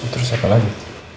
terus siapa lagi